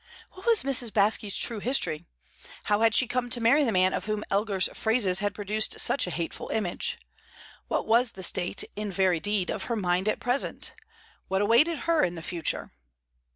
What was Mrs. Baske's true history? How had she come to marry the man of whom Elgar's phrases had produced such a hateful image? What was the state, in very deed, of her mind at present? What awaited her in the future?